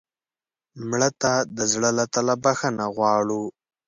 مړه ته د زړه له تله بښنه غواړو